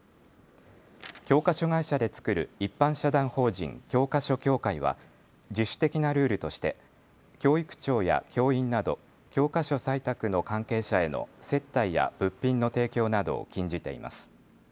教科書会社で作る一般社団法人教科書協会は自主的なルールとして教育長や教員など教科書採択の関係者への接待や物品の提供などを禁じています。